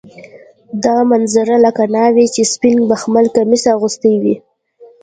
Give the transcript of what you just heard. دا منظره لکه ناوې چې سپین بخمل کمیس اغوستی وي.